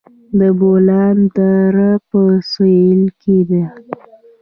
د بولان دره په سویل کې ده